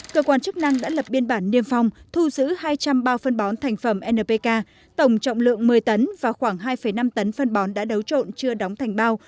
cơ quan chức năng đã lập biên bản niêm phong thu giữ hai trăm linh bao phân bón thành phẩm npk tổng trọng lượng một mươi tấn và khoảng hai năm tấn phân bón đã đấu trộn chưa đóng thành bao